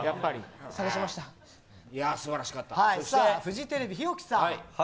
そしてフジテレビ、日置さん。